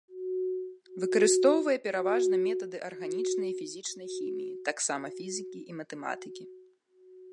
Выкарыстоўвае пераважна метады арганічнай і фізічнай хіміі, таксама фізікі і матэматыкі.